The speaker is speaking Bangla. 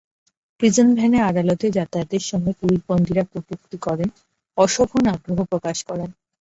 প্রিজন ভ্যানে আদালতে যাতায়াতের সময় পুরুষ বন্দীরা কটূক্তি করেন, অশোভন আগ্রহ প্রকাশ করেন।